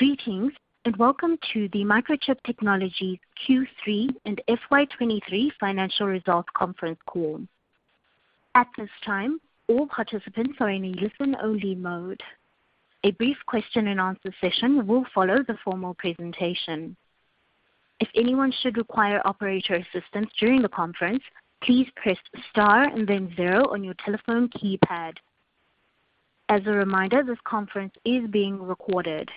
Greetings, and welcome to the Microchip Technology Q3 and FY23 Financial Results Conference Call. At this time, all participants are in a listen-only mode. A brief question-and-answer session will follow the formal presentation. If anyone should require operator assistance during the conference, please press star and then zero on your telephone keypad. As a reminder, this conference is being recorded.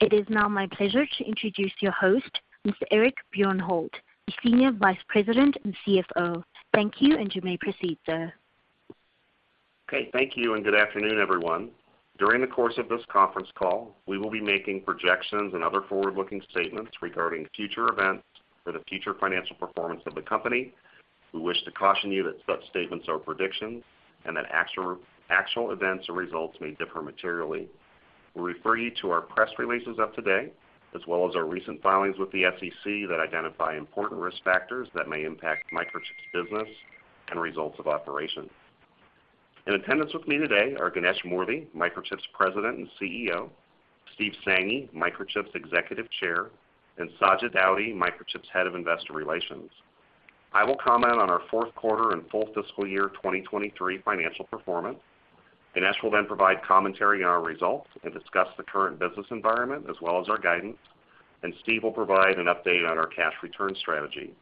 It is now my pleasure to introduce your host, Mr. Eric Bjornholt, the Senior Vice President and Chief Financial Officer. Thank you, and you may proceed, sir. Thank you, and good afternoon, everyone. During the course of this conference call, we will be making projections and other forward-looking statements regarding future events or the future financial performance of the company. We wish to caution you that such statements are predictions and that actual events or results may differ materially. We refer you to our press releases up to date, as well as our recent filings with the SEC that identify important risk factors that may impact Microchip's business and results of operations. In attendance with me today are Ganesh Moorthy, Microchip's President and CEO; Steve Sanghi, Microchip's Executive Chair; and Sajid Daudi, Microchip's Head of Investor Relations. I will comment on our fourth quarter and full fiscal year 2023 financial performance. Ganesh will then provide commentary on our results and discuss the current business environment as well as our guidance. Steve will provide an update on our cash return strategy.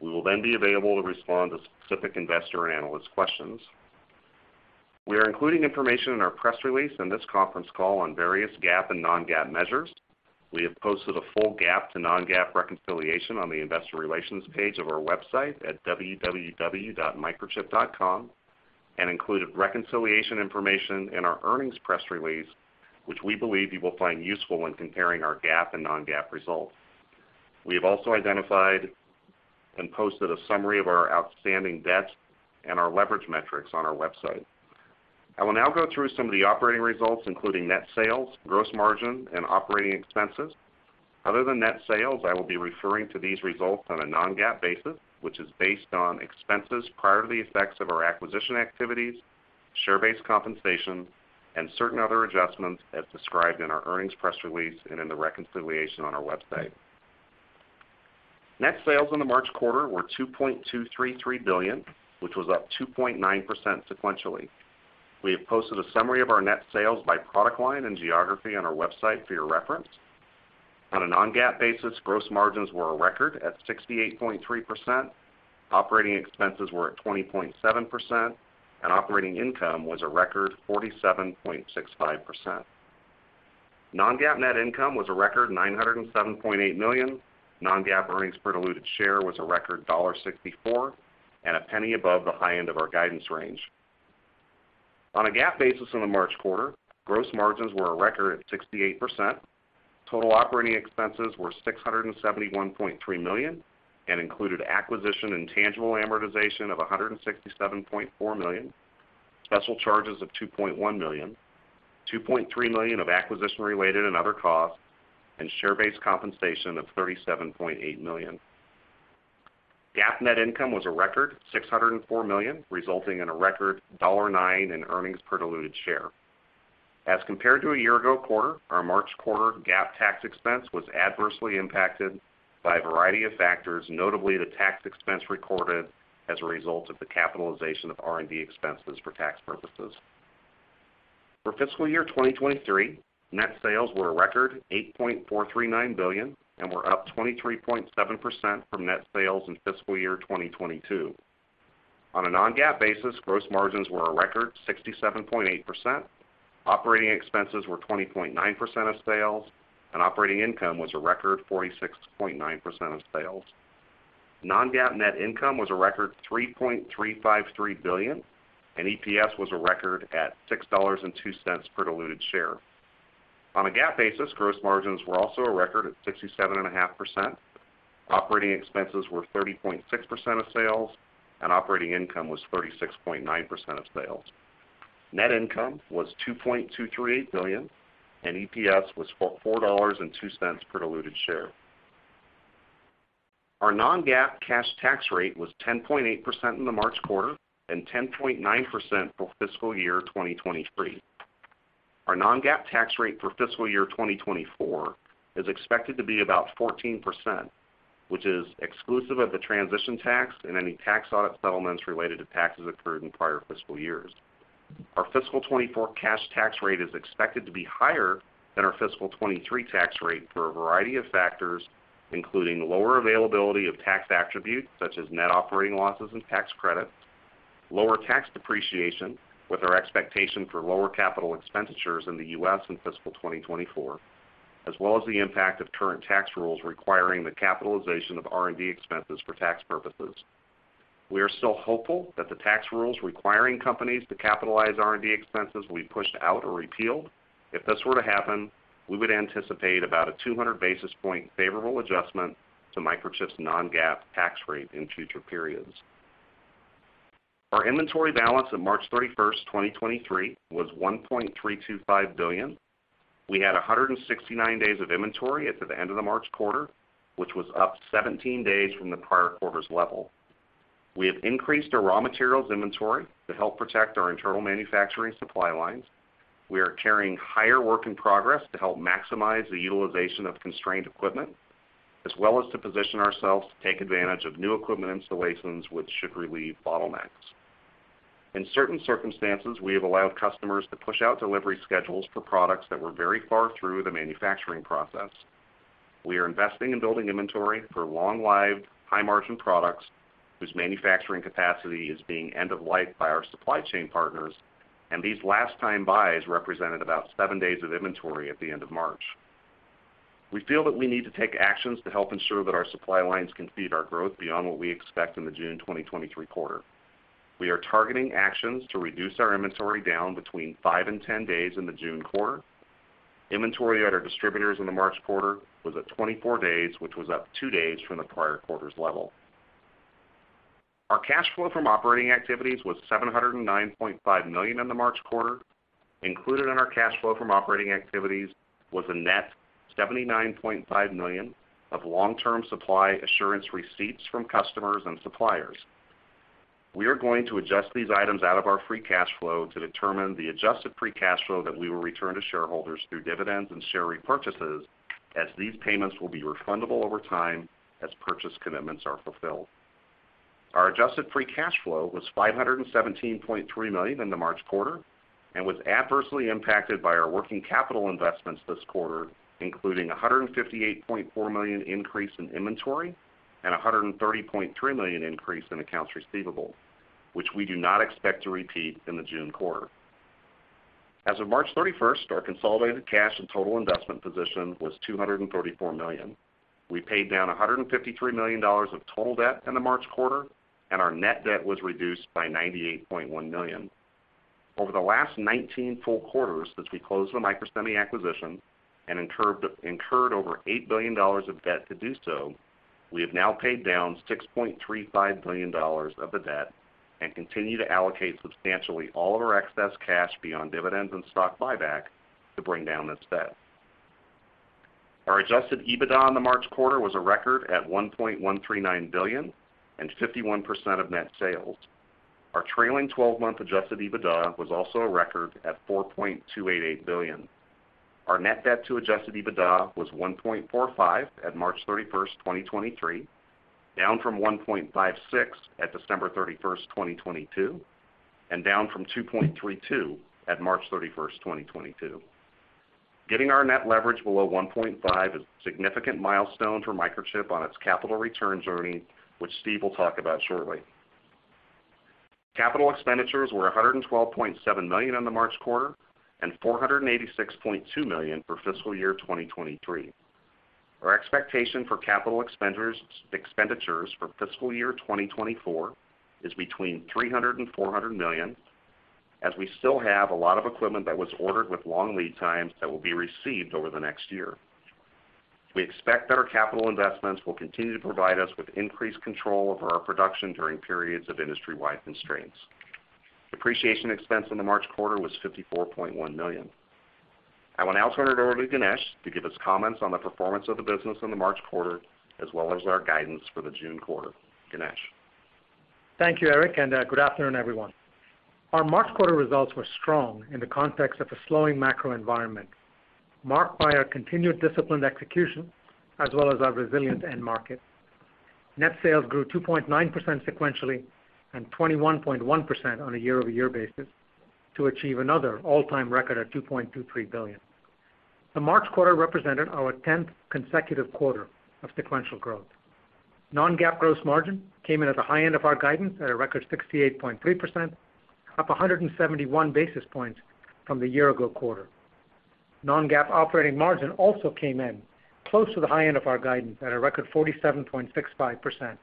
We will be available to respond to specific investor and analyst questions. We are including information in our press release in this conference call on various GAAP and non-GAAP measures. We have posted a full GAAP to non-GAAP reconciliation on the investor relations page of our website at www.microchip.com and included reconciliation information in our earnings press release, which we believe you will find useful when comparing our GAAP and non-GAAP results. We have also identified and posted a summary of our outstanding debt and our leverage metrics on our website. I will now go through some of the operating results, including net sales, gross margin, and operating expenses. Other than net sales, I will be referring to these results on a non-GAAP basis, which is based on expenses prior to the effects of our acquisition activities, share-based compensation, and certain other adjustments as described in our earnings press release and in the reconciliation on our website. Net sales in the March quarter were $2.233 billion, which was up 2.9% sequentially. We have posted a summary of our net sales by product line and geography on our website for your reference. On a non-GAAP basis, gross margins were a record at 68.3%, operating expenses were at 20.7%, and operating income was a record 47.65%. Non-GAAP net income was a record $907.8 million. Non-GAAP earnings per diluted share was a record $1.64 and $0.01 above the high end of our guidance range. On a GAAP basis in the March quarter, gross margins were a record at 68%, total operating expenses were $671.3 million and included acquisition and tangible amortization of $167.4 million, special charges of $2.1 million, $2.3 million of acquisition-related and other costs, and share-based compensation of $37.8 million. GAAP net income was a record $604 million, resulting in a record $0.09 in earnings per diluted share. As compared to a year-ago quarter, our March quarter GAAP tax expense was adversely impacted by a variety of factors, notably the tax expense recorded as a result of the capitalization of R&D expenses for tax purposes. For fiscal year 2023, net sales were a record $8.439 billion and were up 23.7% from net sales in fiscal year 2022. On a non-GAAP basis, gross margins were a record 67.8%, operating expenses were 20.9% of sales, and operating income was a record 46.9% of sales. Non-GAAP net income was a record $3.353 billion, and EPS was a record at $6.02 per diluted share. On a GAAP basis, gross margins were also a record at 67.5%, operating expenses were 30.6% of sales, and operating income was 36.9% of sales. Net income was $2.238 billion, and EPS was $4.02 per diluted share. Our non-GAAP cash tax rate was 10.8% in the March quarter and 10.9% for fiscal year 2023. Our non-GAAP tax rate for fiscal year 2024 is expected to be about 14%, which is exclusive of the transition tax and any tax audit settlements related to taxes accrued in prior fiscal years. Our fiscal 2024 cash tax rate is expected to be higher than our fiscal 2023 tax rate for a variety of factors, including lower availability of tax attributes such as net operating losses and tax credits, lower tax depreciation with our expectation for lower capital expenditures in the U.S. in fiscal 2024, as well as the impact of current tax rules requiring the capitalization of R&D expenses for tax purposes. We are still hopeful that the tax rules requiring companies to capitalize R&D expenses will be pushed out or repealed. If this were to happen, we would anticipate about a 200 basis point favorable adjustment to Microchip's non-GAAP tax rate in future periods. Our inventory balance on March 31, 2023, was $1.325 billion. We had 169 days of inventory at the end of the March quarter, which was up 17 days from the prior quarter's level. We have increased our raw materials inventory to help protect our internal manufacturing supply lines. We are carrying higher work in progress to help maximize the utilization of constrained equipment, as well as to position ourselves to take advantage of new equipment installations, which should relieve bottlenecks. In certain circumstances, we have allowed customers to push out delivery schedules for products that were very far through the manufacturing process. We are investing in building inventory for long-lived, high-margin products whose manufacturing capacity is being end of life by our supply chain partners, and these last-time buys represented about seven days of inventory at the end of March. We feel that we need to take actions to help ensure that our supply lines can feed our growth beyond what we expect in the June 2023 quarter. We are targeting actions to reduce our inventory down between 5 and 10 days in the June quarter. Inventory at our distributors in the March quarter was at 24 days, which was up two days from the prior quarter's level. Our cash flow from operating activities was $709.5 million in the March quarter. Included in our cash flow from operating activities was a net $79.5 million of long-term supply assurance receipts from customers and suppliers. We are going to adjust these items out of our free cash flow to determine the adjusted free cash flow that we will return to shareholders through dividends and share repurchases as these payments will be refundable over time as purchase commitments are fulfilled. Our adjusted free cash flow was $517.3 million in the March quarter and was adversely impacted by our working capital investments this quarter, including a $158.4 million increase in inventory and a $130.3 million increase in accounts receivable, which we do not expect to repeat in the June quarter. As of March thirty-first, our consolidated cash and total investment position was $234 million. We paid down $153 million of total debt in the March quarter. Our net debt was reduced by $98.1 million. Over the last 19 full quarters since we closed the Microsemi acquisition and incurred over $8 billion of debt to do so, we have now paid down $6.35 billion of the debt and continue to allocate substantially all of our excess cash beyond dividends and stock buyback to bring down this debt. Our adjusted EBITDA in the March quarter was a record at $1.139 billion and 51% of net sales. Our trailing 12-month adjusted EBITDA was also a record at $4.288 billion. Our net debt to adjusted EBITDA was 1.45 at March 31, 2023, down from 1.56 at December 31, 2022, and down from 2.32 at March 31, 2022. Getting our net leverage below 1.5 is a significant milestone for Microchip on its capital returns journey, which Steve will talk about shortly. Capital expenditures were $112.7 million in the March quarter and $486.2 million for fiscal year 2023. Our expectation for capital expenditures for fiscal year 2024 is between $300 million-$400 million, as we still have a lot of equipment that was ordered with long lead times that will be received over the next year. We expect that our capital investments will continue to provide us with increased control over our production during periods of industry-wide constraints. Depreciation expense in the March quarter was $54.1 million. I will now turn it over to Ganesh to give us comments on the performance of the business in the March quarter, as well as our guidance for the June quarter. Ganesh? Thank you, Eric, good afternoon, everyone. Our March quarter results were strong in the context of a slowing macro environment, marked by our continued disciplined execution as well as our resilient end market. Net sales grew 2.9% sequentially and 21.1% on a year-over-year basis to achieve another all-time record of $2.23 billion. The March quarter represented our 10th consecutive quarter of sequential growth. Non-GAAP gross margin came in at the high end of our guidance at a record 68.3%, up 171 basis points from the year-ago quarter. Non-GAAP operating margin also came in close to the high end of our guidance at a record 47.65%,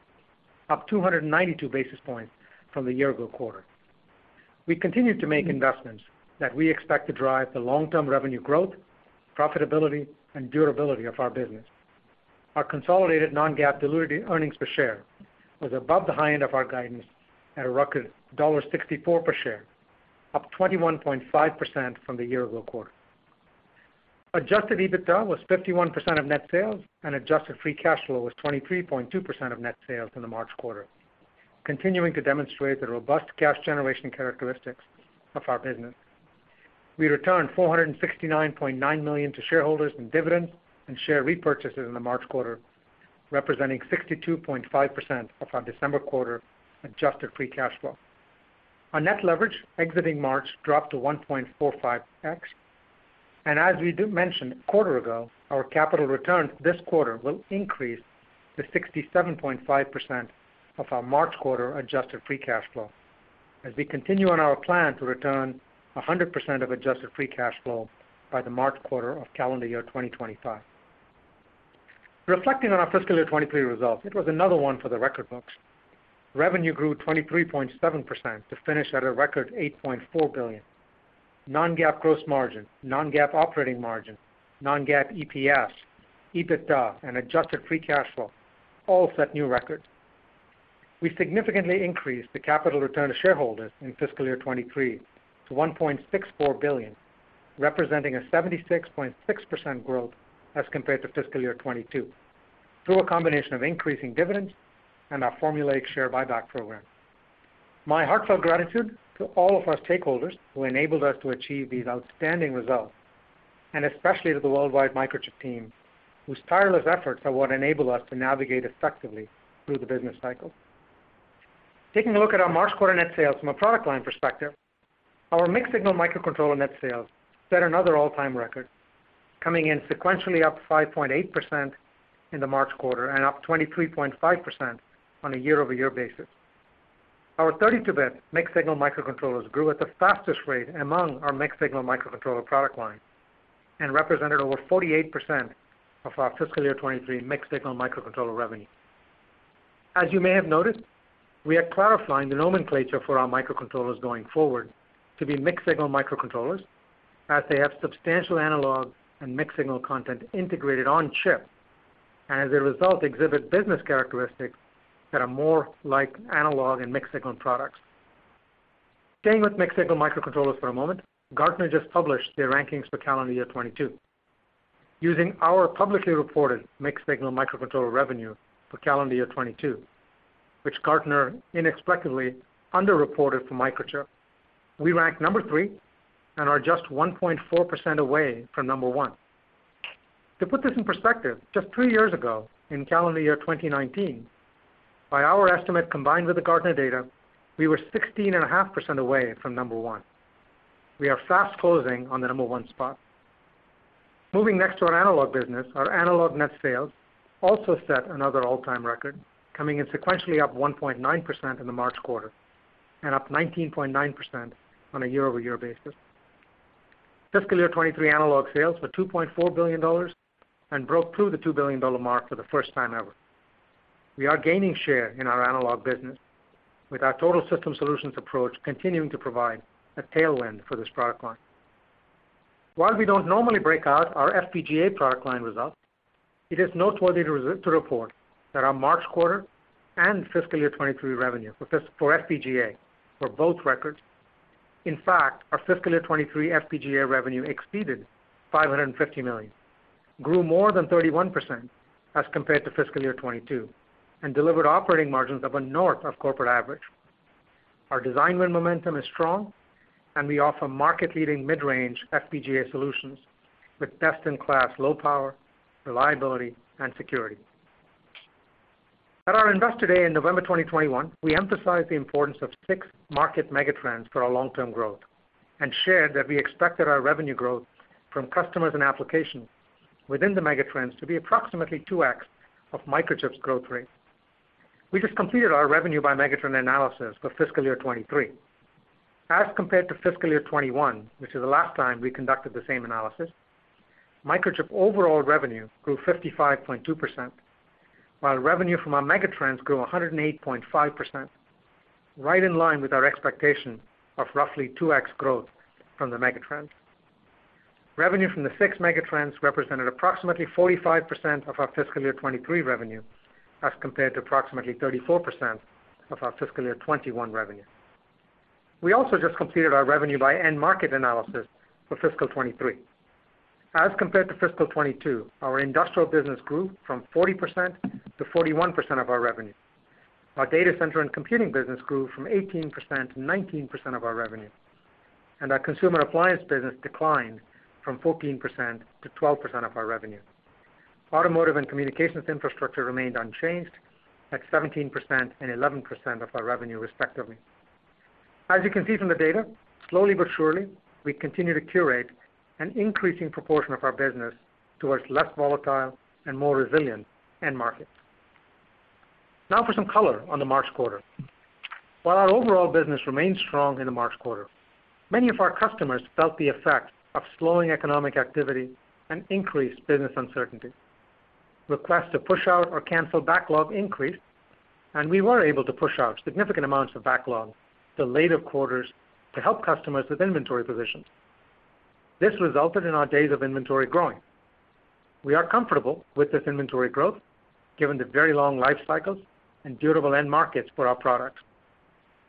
up 292 basis points from the year-ago quarter. We continued to make investments that we expect to drive the long-term revenue growth, profitability, and durability of our business. Our consolidated non-GAAP diluted earnings per share was above the high end of our guidance at a record $1.64 per share, up 21.5% from the year-ago quarter. Adjusted EBITDA was 51% of net sales, and adjusted free cash flow was 23.2% of net sales in the March quarter, continuing to demonstrate the robust cash generation characteristics of our business. We returned $469.9 million to shareholders in dividends and share repurchases in the March quarter, representing 62.5% of our December quarter adjusted free cash flow. Our net leverage exiting March dropped to 1.45x. As we do mentioned a quarter ago, our capital returns this quarter will increase to 67.5% of our March quarter adjusted free cash flow as we continue on our plan to return 100% of adjusted free cash flow by the March quarter of calendar year 2025. Reflecting on our fiscal year 2023 results, it was another one for the record books. Revenue grew 23.7% to finish at a record $8.4 billion. Non-GAAP gross margin, non-GAAP operating margin, non-GAAP EPS, EBITDA, and adjusted free cash flow all set new records. We significantly increased the capital return to shareholders in fiscal year 2023 to $1.64 billion, representing a 76.6% growth as compared to fiscal year 2022, through a combination of increasing dividends and our formulated share buyback program. My heartfelt gratitude to all of our stakeholders who enabled us to achieve these outstanding results, especially to the worldwide Microchip team, whose tireless efforts are what enable us to navigate effectively through the business cycle. Taking a look at our March quarter net sales from a product line perspective, our mixed-signal microcontroller net sales set another all-time record, coming in sequentially up 5.8% in the March quarter and up 23.5% on a year-over-year basis. Our 32-bit mixed-signal microcontrollers grew at the fastest rate among our mixed-signal microcontroller product line and represented over 48% of our fiscal year 2023 mixed-signal microcontroller revenue. As you may have noticed, we are clarifying the nomenclature for our microcontrollers going forward to be mixed-signal microcontrollers as they have substantial analog and mixed-signal content integrated on chip and as a result, exhibit business characteristics that are more like analog and mixed-signal products. Staying with mixed-signal microcontrollers for a moment, Gartner just published their rankings for calendar year 2022. Using our publicly reported mixed-signal microcontroller revenue for calendar year 2022, which Gartner unexpectedly underreported for Microchip, we rank number three and are just 1.4% away from number one. To put this in perspective, just three years ago in calendar year 2019, by our estimate, combined with the Gartner data, we were 16.5% away from number one. We are fast closing on the number one spot. Moving next to our analog business. Our analog net sales also set another all-time record, coming in sequentially up 1.9% in the March quarter and up 19.9% on a year-over-year basis. Fiscal year 2023 analog sales were $2.4 billion and broke through the $2 billion mark for the first time ever. We are gaining share in our analog business with our Total System Solutions approach continuing to provide a tailwind for this product line. While we don't normally break out our FPGA product line results, it is noteworthy to report that our March quarter fiscal year 2023 revenue for FPGAs was also a record. Our fiscal year 2023 FPGA revenue exceeded $550 million, grew more than 31% as compared to fiscal year 2022, and delivered operating margins of a north of corporate average. Our design win momentum is strong, we offer market-leading mid-range FPGA solutions with best-in-class low power, reliability, and security. At our Investor Day in November 2021, we emphasized the importance of 6 market megatrends for our long-term growth and shared that we expected our revenue growth from customers and applications within the megatrends to be approximately 2x of Microchip's growth rate. We just completed our revenue by megatrend analysis for fiscal year 2023. As compared to fiscal year 2021, which is the last time we conducted the same analysis, Microchip overall revenue grew 55.2%, while revenue from our megatrends grew 108.5%, right in line with our expectation of roughly 2x growth from the megatrends. Revenue from the six megatrends represented approximately 45% of our fiscal year 2023 revenue, as compared to approximately 34% of our fiscal year 2021 revenue. We also just completed our revenue by end market analysis for fiscal 2023. As compared to fiscal 2022, our industrial business grew from 40%–41% of our revenue. Our data center and computing business grew from 18%–19% of our revenue, and our consumer appliance business declined from 14%–12% of our revenue. Automotive and communications infrastructure remained unchanged at 17% and 11% of our revenue, respectively. As you can see from the data, slowly but surely, we continue to curate an increasing proportion of our business towards less volatile and more resilient end markets. For some color on the March quarter. While our overall business remained strong in the March quarter, many of our customers felt the effect of slowing economic activity and increased business uncertainty. Requests to push out or cancel backlog increased, and we were able to push out significant amounts of backlog to later quarters to help customers with inventory positions. This resulted in our days of inventory growing. We are comfortable with this inventory growth given the very long life cycles and durable end markets for our products.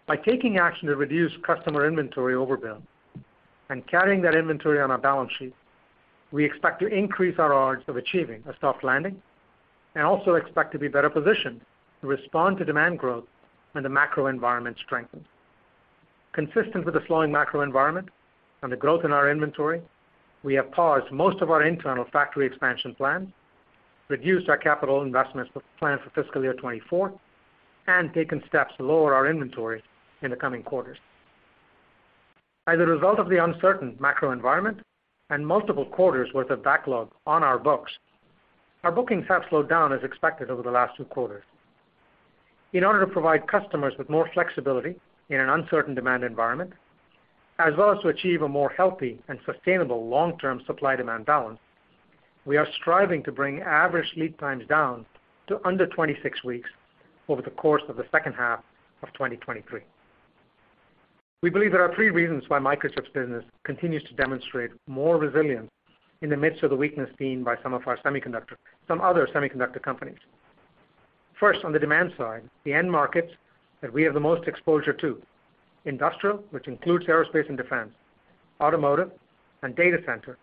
By taking action to reduce customer inventory overbuild and carrying that inventory on our balance sheet, we expect to increase our odds of achieving a soft landing and also expect to be better positioned to respond to demand growth when the macro environment strengthens. Consistent with the slowing macro environment and the growth in our inventory, we have paused most of our internal factory expansion plans, reduced our capital investments plans for fiscal year 2024, and taken steps to lower our inventory in the coming quarters. As a result of the uncertain macro environment and multiple quarters worth of backlog on our books, our bookings have slowed down as expected over the last two quarters. In order to provide customers with more flexibility in an uncertain demand environment, as well as to achieve a more healthy and sustainable long-term supply demand balance, we are striving to bring average lead times down to under 26 weeks over the course of the second half of 2023. We believe there are three reasons why Microchip's business continues to demonstrate more resilience in the midst of the weakness seen by some other semiconductor companies. First, on the demand side, the end markets that we have the most exposure to, industrial, which includes aerospace and defense, automotive, and data center,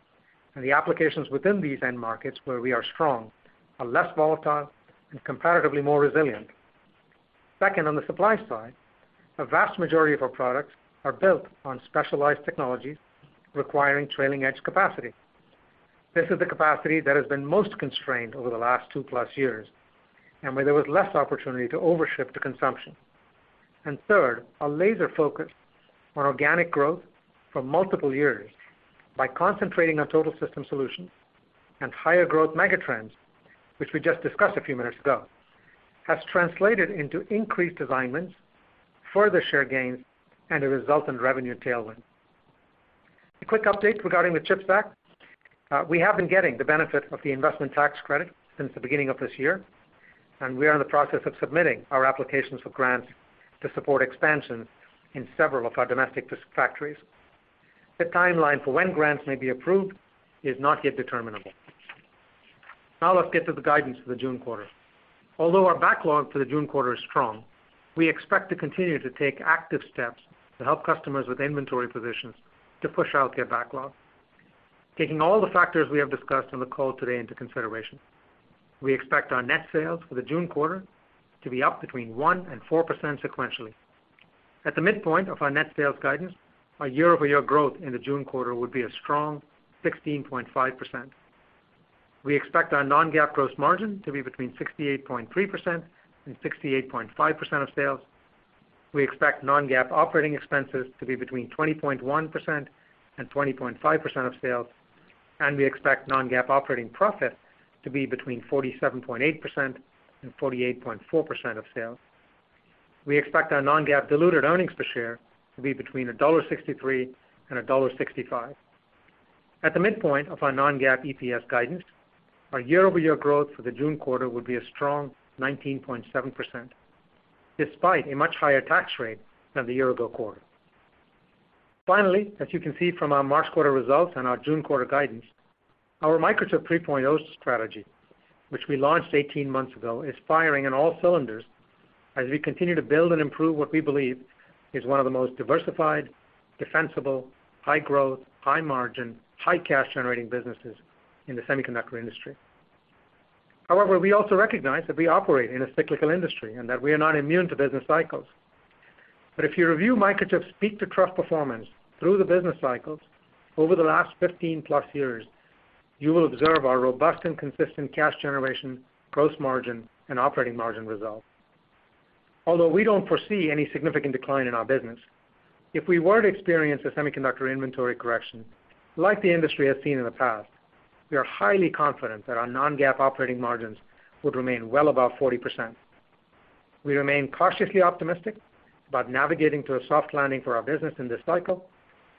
and the applications within these end markets where we are strong, are less volatile and comparatively more resilient. Second, on the supply side, a vast majority of our products are built on specialized technologies requiring trailing edge capacity. This is the capacity that has been most constrained over the last 2+ years. Where there was less opportunity to overship to consumption. Third, our laser focus on organic growth for multiple years by concentrating on Total System Solutions and higher growth megatrends, which we just discussed a few minutes ago, has translated into increased design wins, further share gains, and a resultant revenue tailwind. A quick update regarding the CHIPS Act. We have been getting the benefit of the investment tax credit since the beginning of this year. We are in the process of submitting our applications for grants to support expansion in several of our domestic factories. The timeline for when grants may be approved is not yet determinable. Let's get to the guidance for the June quarter. Although our backlog for the June quarter is strong, we expect to continue to take active steps to help customers with inventory positions to push out their backlog. Taking all the factors we have discussed on the call today into consideration, we expect our net sales for the June quarter to be up between 1% and 4% sequentially. At the midpoint of our net sales guidance, our year-over-year growth in the June quarter would be a strong 16.5%. We expect our non-GAAP gross margin to be between 68.3% and 68.5% of sales. We expect non-GAAP operating expenses to be between 20.1% and 20.5% of sales. We expect non-GAAP operating profit to be between 47.8% and 48.4% of sales. We expect our non-GAAP diluted earnings per share to be between $1.63 and $1.65. At the midpoint of our non-GAAP EPS guidance, our year-over-year growth for the June quarter would be a strong 19.7%, despite a much higher tax rate than the year-ago quarter. As you can see from our March quarter results and our June quarter guidance, our Microchip 3.0 strategy, which we launched 18 months ago, is firing on all cylinders as we continue to build and improve what we believe is one of the most diversified, defensible, high-growth, high-margin, high-cash generating businesses in the semiconductor industry. We also recognize that we operate in a cyclical industry and that we are not immune to business cycles. If you review Microchip's peak-to-trough performance through the business cycles over the last 15+ years, you will observe our robust and consistent cash generation, gross margin, and operating margin results. Although we don't foresee any significant decline in our business, if we were to experience a semiconductor inventory correction like the industry has seen in the past, we are highly confident that our non-GAAP operating margins would remain well above 40%. We remain cautiously optimistic about navigating to a soft landing for our business in this cycle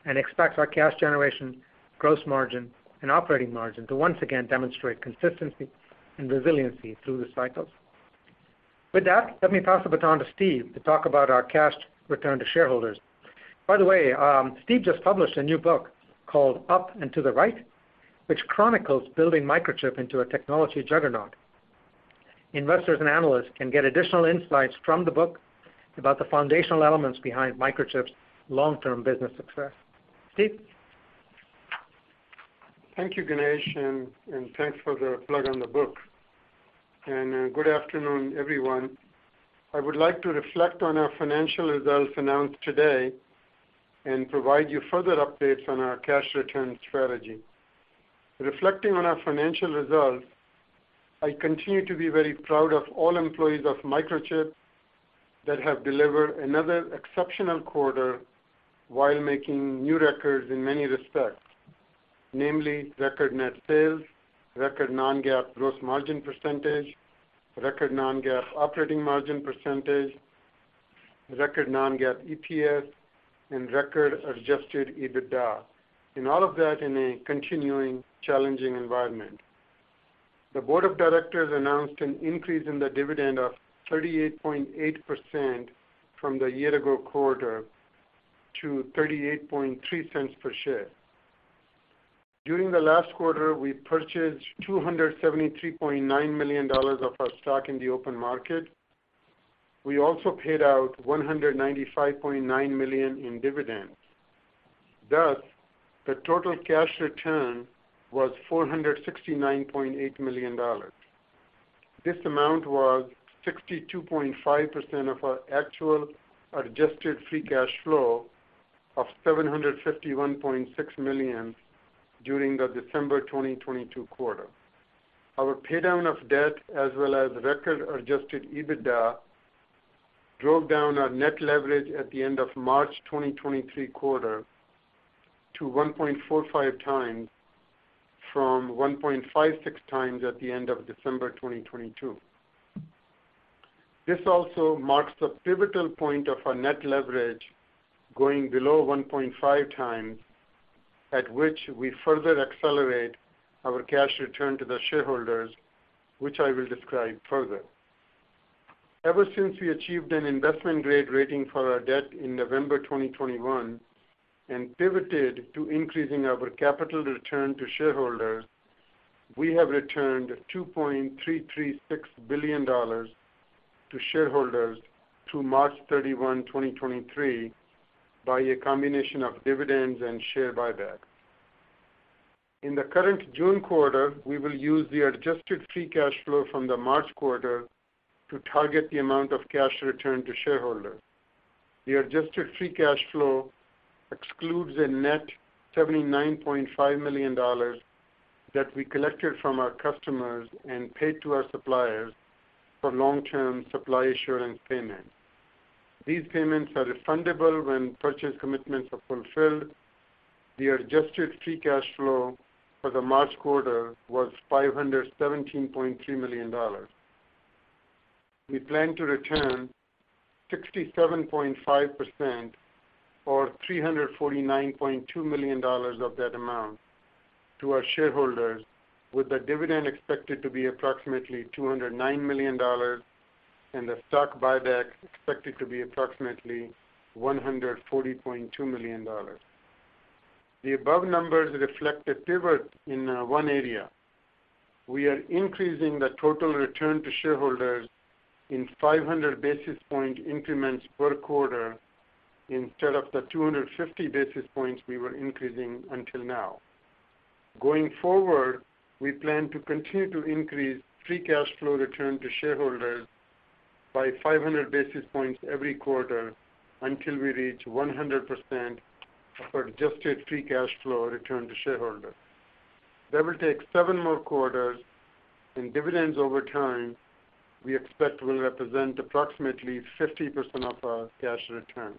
and expect our cash generation, gross margin, and operating margin to once again demonstrate consistency and resiliency through the cycles. With that, let me pass the baton to Steve to talk about our cash return to shareholders. By the way, Steve just published a new book called Up and to the Right, which chronicles building Microchip into a technology juggernaut. Investors and analysts can get additional insights from the book about the foundational elements behind Microchip's long-term business success. Steve? Thank you, Ganesh, and thanks for the plug on the book. Good afternoon, everyone. I would like to reflect on our financial results announced today and provide you further updates on our cash return strategy. Reflecting on our financial results, I continue to be very proud of all employees of Microchip that have delivered another exceptional quarter while making new records in many respects, namely record net sales, record non-GAAP gross margin %, record non-GAAP operating margin %, record non-GAAP EPS, and record adjusted EBITDA, all of that in a continuing challenging environment. The board of directors announced an increase in the dividend of 38.8% from the year-ago quarter to $0.383 per share. During the last quarter, we purchased $273.9 million of our stock in the open market. We also paid out $195.9 million in dividends. Thus, the total cash return was $669.8 million. This amount was 62.5% of our actual adjusted free cash flow of $751.6 million during the December 2022 quarter. Our paydown of debt as well as record adjusted EBITDA drove down our net leverage at the end of March 2023 quarter to 1.45 times from 1.56 times at the end of December 2022. This also marks the pivotal point of our net leverage going below 1.5 times, at which we further accelerate our cash return to the shareholders, which I will describe further. Ever since we achieved an investment-grade rating for our debt in November 2021, we piivoted to increasing our capital return to shareholders, we have returned $2.336 billion to shareholders through March 31, 2023, by a combination of dividends and share buyback. In the current June quarter, we will use the adjusted free cash flow from the March quarter to target the amount of cash returned to shareholders. The adjusted free cash flow excludes a net $79.5 million that we collected from our customers and paid to our suppliers for long-term supply assurance payments. These payments are refundable when purchase commitments are fulfilled. The adjusted free cash flow for the March quarter was $517.3 million. We plan to return 67.5% or $349.2 million of that amount to our shareholders, with the dividend expected to be approximately $209 million and the stock buyback expected to be approximately $140.2 million. The above numbers reflect a pivot in one area. We are increasing the total return to shareholders in 500 basis point increments per quarter instead of the 250 basis points we were increasing until now. Going forward, we plan to continue to increase free cash flow return to shareholders by 500 basis points every quarter until we reach 100% of our adjusted free cash flow return to shareholders. That will take seven more quarters, and dividends over time, we expect will represent approximately 50% of our cash return.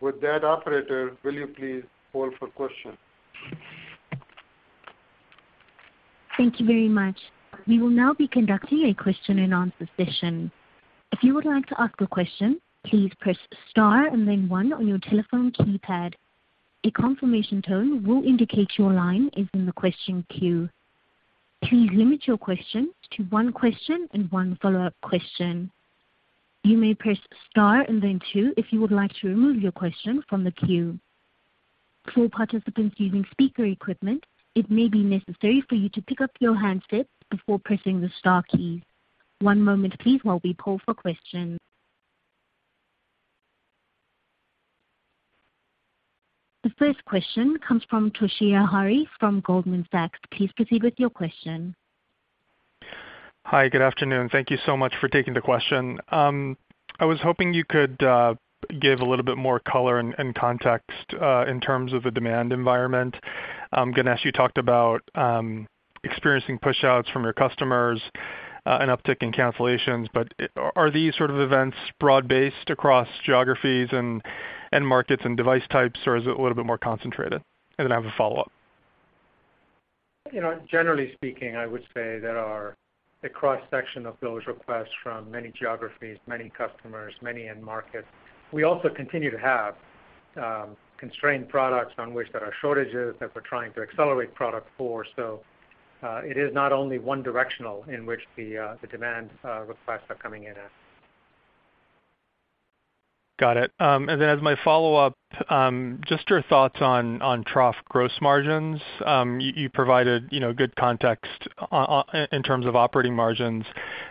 With that, operator, will you please poll for questions? Thank you very much. We will now be conducting a question and answer session. If you would like to ask a question, please press star and then one on your telephone keypad. A confirmation tone will indicate your line is in the question queue. Please limit your question to one question and one follow-up question. You may press star and then two if you would like to remove your question from the queue. For participants using speaker equipment, it may be necessary for you to pick up your handset before pressing the star key. One moment please while we poll for questions. The first question comes from Toshiya Hari from Goldman Sachs. Please proceed with your question. Hi, good afternoon. Thank you so much for taking the question. I was hoping you could give a little bit more color and context in terms of the demand environment. I'm going to ask, you talked about experiencing pushouts from your customers, an uptick in cancellations. Are these sort of events broad-based across geographies and markets and device types? Or is it a little bit more concentrated? I have a follow-up. You know, generally speaking, I would say there are a cross-section of those requests from many geographies, many customers, many end markets. We also continue to have constrained products on which there are shortages that we're trying to accelerate product for. It is not only one directional in which the demand requests are coming in at. Got it. As my follow-up, just your thoughts on trough gross margins. You provided, you know, good context in terms of operating margins.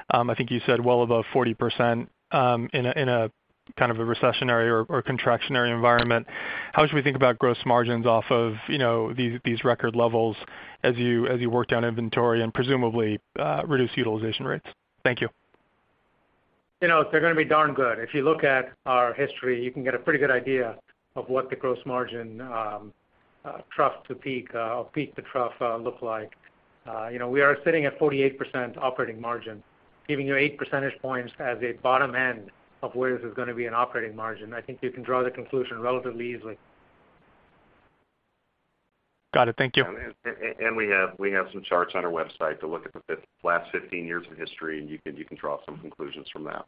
I think you said well above 40%, in a kind of a recessionary or contractionary environment. How should we think about gross margins off of, you know, these record levels as you work down inventory and presumably, reduce utilization rates? Thank you. You know, they're going to be darn good. If you look at our history, you can get a pretty good idea of what the gross margin, trough to peak, or peak to trough, look like. You know, we are sitting at 48% operating margin, giving you 8 percentage points as a bottom end of where this is going to be an operating margin. I think you can draw the conclusion relatively easily. Got it. Thank you. We have some charts on our website to look at the last 15 years of history, and you can draw some conclusions from that.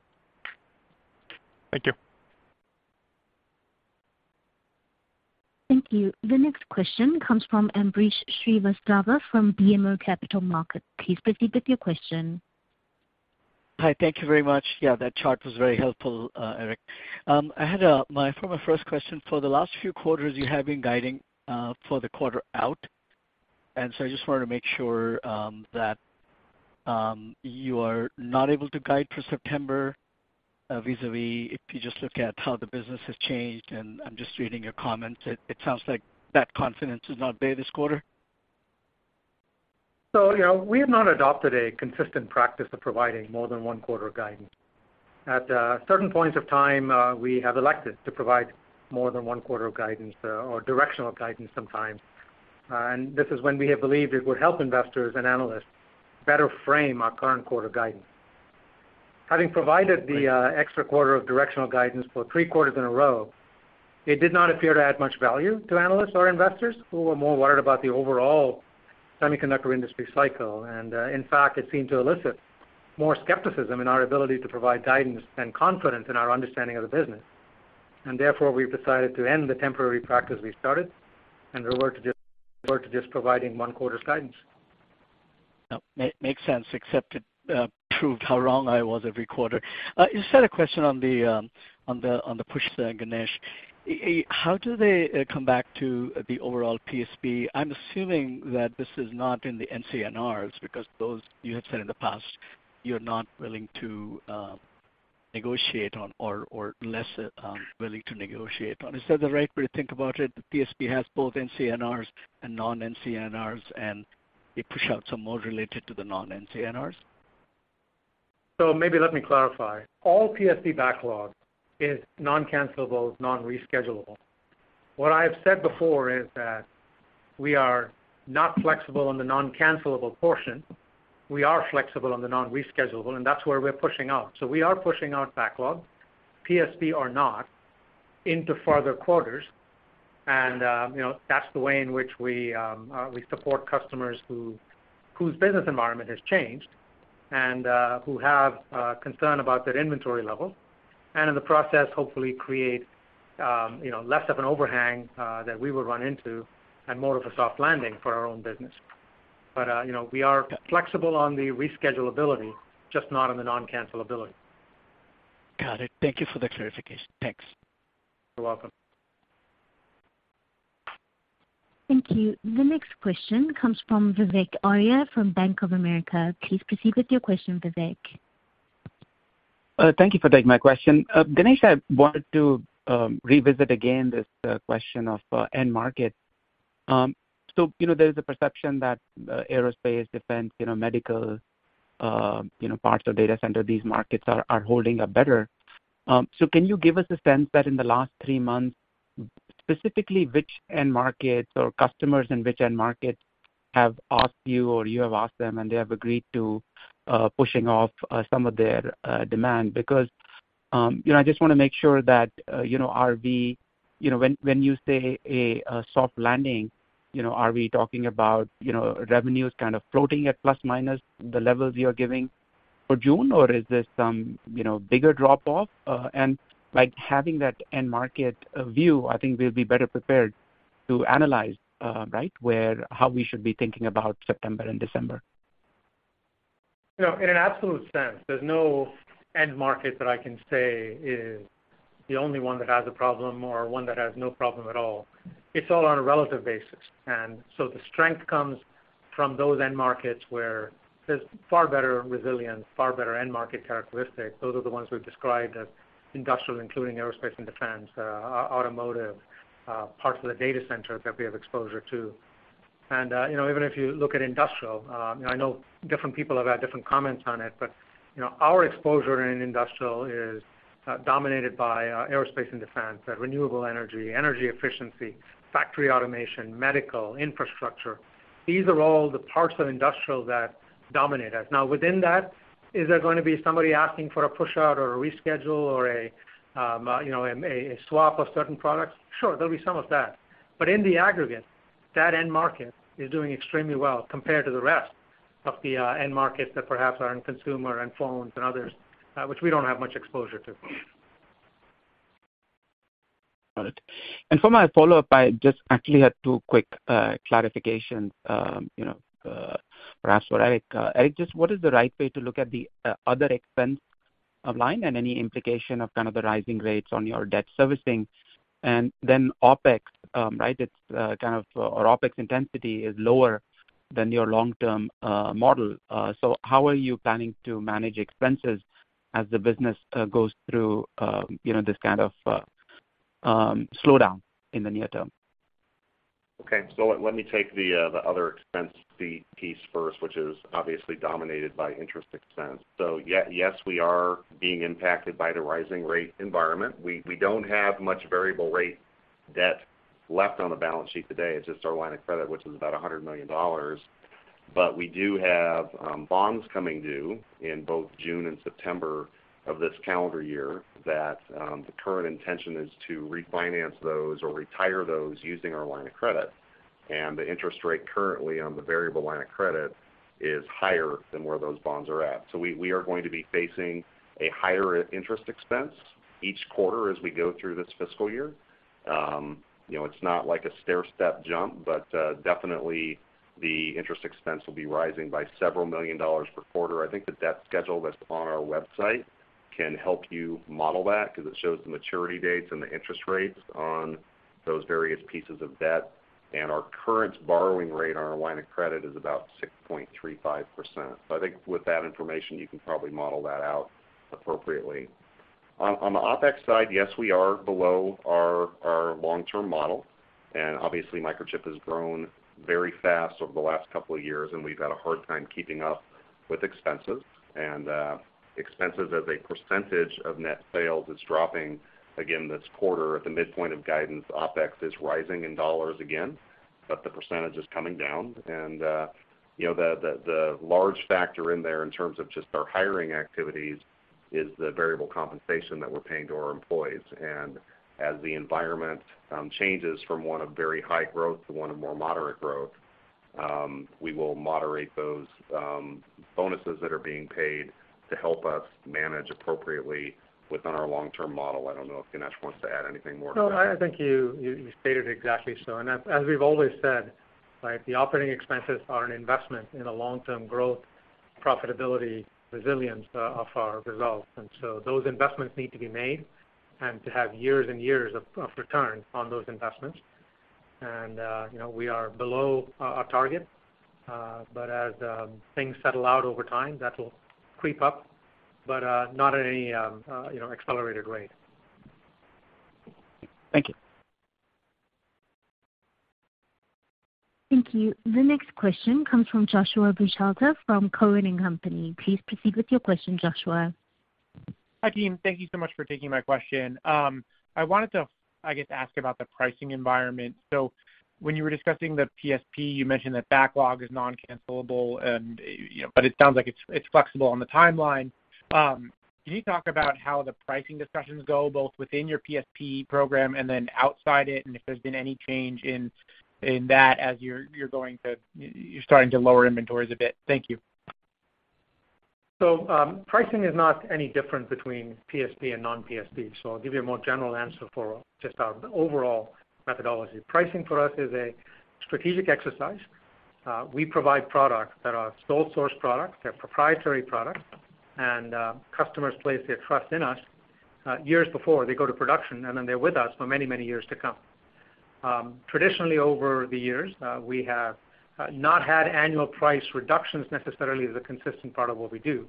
Thank you. Thank you. The next question comes from Ambrish Srivastava from BMO Capital Markets. Please proceed with your question. Hi. Thank you very much. Yeah, that chart was very helpful, Eric. I had for my first question, for the last few quarters you have been guiding for the quarter out, and so I just wanted to make sure that you are not able to guide for September, vis-a-vis, if you just look at how the business has changed, and I'm just reading your comments, it sounds like that confidence is not there this quarter. you know, we have not adopted a consistent practice of providing more than one quarter of guidance. Certain points of time, we have elected to provide more than one quarter of guidance, or directional guidance sometimes. This is when we have believed it would help investors and analysts better frame our current quarter guidance. Having provided the extra quarter of directional guidance for 3 quarters in a row, it did not appear to add much value to analysts or investors who were more worried about the overall semiconductor industry cycle. In fact, it seemed to elicit more skepticism in our ability to provide guidance and confidence in our understanding of the business. Therefore, we've decided to end the temporary practice we started and revert to just providing one quarter's guidance. Makes sense, except it proved how wrong I was every quarter. You said a question on on the push there, Ganesh. How do they come back to the overall PSP? I'm assuming that this is not in the NCNR because those you had said in the past, you're not willing to negotiate on or less willing to negotiate on. Is that the right way to think about it? The PSP has both NCNR and non-NCNR, and they push out some more related to the non-NCNR. Maybe let me clarify. All PSP backlog is non-cancellable, non-reschedulable. What I have said before is that we are not flexible on the non-cancellable portion. We are flexible on the non-reschedulable, and that's where we're pushing out. We are pushing out backlog, PSP or not, into further quarters. You know, that's the way in which we support customers whose business environment has changed and who have concern about their inventory level. In the process, hopefully create, you know, less of an overhang that we would run into and more of a soft landing for our own business. You know, we are flexible on the reschedulability, just not on the non-cancellability. Got it. Thank you for the clarification. Thanks. You're welcome. Thank you. The next question comes from Vivek Arya from Bank of America. Please proceed with your question, Vivek. Thank you for taking my question. Ganesh, I wanted to revisit again this question of end market. You know, there's a perception that aerospace, defense, you know, medical, you know, parts of data center, these markets are holding up better. Can you give us a sense that in the last 3 months, specifically which end markets or customers in which end markets have asked you or you have asked them, and they have agreed to pushing off some of their demand? You know, I just want to make sure that, you know, when you say a soft landing, you know, are we talking about, you know, revenues kind of floating at plus-minus the levels you're giving for June, or is this some, you know, bigger drop-off? Like, having that end market view, I think we'll be better prepared to analyze, right, where, how we should be thinking about September and December. You know, in an absolute sense, there's no end market that I can say is the only one that has a problem or one that has no problem at all. It's all on a relative basis. The strength comes from those end markets where there's far better resilience, far better end market characteristics. Those are the ones we've described as industrial, including aerospace and defense, automotive, parts of the data center that we have exposure to. You know, even if you look at industrial, you know, I know different people have had different comments on it, but, you know, our exposure in industrial is dominated by aerospace and defense, renewable energy efficiency, factory automation, medical, infrastructure. These are all the parts of industrial that dominate us. Within that, is there going to be somebody asking for a push-out or a reschedule or a, you know, a swap of certain products? Sure, there'll be some of that. In the aggregate, that end market is doing extremely well compared to the rest of the end markets that perhaps are in consumer and phones and others, which we don't have much exposure to. Got it. For my follow-up, I just actually had two quick clarifications, you know, perhaps for Eric. Eric, just what is the right way to look at the other expense line and any implication of kind of the rising rates on your debt servicing? Then OpEx, right? It's kind of, or OpEx intensity is lower than your long-term model. How are you planning to manage expenses as the business goes through, you know, this kind of slowdown in the near term? Okay. Let me take the the other expense fee piece first, which is obviously dominated by interest expense. Yes, we are being impacted by the rising rate environment. We don't have much variable rate debt left on the balance sheet today. It's just our line of credit, which is about $100 million. We do have bonds coming due in both June and September of this calendar year that the current intention is to refinance those or retire those using our line of credit. The interest rate currently on the variable line of credit is higher than where those bonds are at. We are going to be facing a higher interest expense each quarter as we go through this fiscal year. You know, it's not like a stairstep jump, but definitely the interest expense will be rising by several million dollars per quarter. I think the debt schedule that's on our website can help you model that because it shows the maturity dates and the interest rates on those various pieces of debt. Our current borrowing rate on our line of credit is about 6.35%. I think with that information, you can probably model that out appropriately. On the OpEx side, yes, we are below our long-term model, and obviously, Microchip has grown very fast over the last couple of years, and we've had a hard time keeping up with expenses. Expenses as a percentage of net sales is dropping. Again, this quarter at the midpoint of guidance, OpEx is rising in dollars again, but the percentage is coming down. You know, the large factor in there in terms of just our hiring activities is the variable compensation that we're paying to our employees. As the environment changes from one of very high growth to one of more moderate growth, we will moderate those bonuses that are being paid to help us manage appropriately within our long-term model. I don't know if Ganesh wants to add anything more to that. No, I think you stated exactly so. As we've always said, right, the operating expenses are an investment in a long-term growth, profitability, resilience of our results. So those investments need to be made and to have years and years of return on those investments. You know, we are below our target. But as things settle out over time, that will creep up, but not at any, you know, accelerated rate. Thank you. Thank you. The next question comes from Joshua Buchalter from Cowen and Company. Please proceed with your question, Joshua. Hi, team. Thank you so much for taking my question. I wanted to, I guess, ask about the pricing environment. When you were discussing the PSP, you mentioned that backlog is non-cancelable and, you know, but it sounds like it's flexible on the timeline. Can you talk about how the pricing discussions go both within your PSP program and then outside it, and if there's been any change in that as you're starting to lower inventories a bit? Thank you. Pricing is not any different between PSP and non-PSP, so I'll give you a more general answer for just our overall methodology. Pricing for us is a strategic exercise. We provide products that are sole source products, they're proprietary products, and customers place their trust in us years before they go to production, and then they're with us for many, many years to come. Traditionally, over the years, we have not had annual price reductions necessarily as a consistent part of what we do.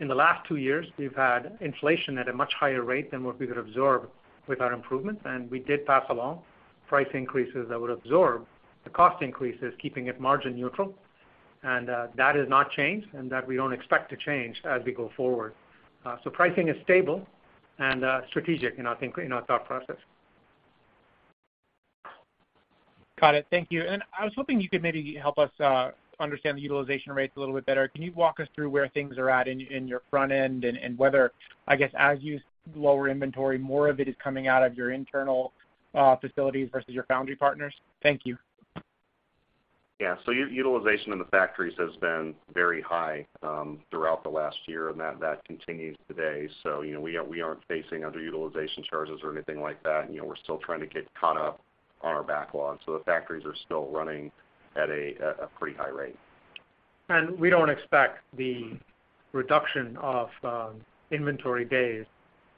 In the last two years, we've had inflation at a much higher rate than what we could absorb with our improvements, and we did pass along price increases that would absorb the cost increases, keeping it margin neutral. That has not changed, and that we don't expect to change as we go forward. Pricing is stable and strategic in our thought process. Got it. Thank you. I was hoping you could maybe help us understand the utilization rates a little bit better. Can you walk us through where things are at in your front end and whether, I guess, as you lower inventory, more of it is coming out of your internal facilities versus your foundry partners? Thank you. Yeah. Utilization in the factories has been very high throughout the last year, and that continues today. You know, we aren't facing underutilization charges or anything like that. You know, we're still trying to get caught up on our backlog. The factories are still running at a pretty high rate. We don't expect the reduction of inventory days